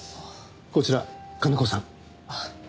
こちら金子さん。